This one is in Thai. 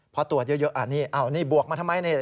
เพราะตรวจเยอะนี่บวกมาทำไม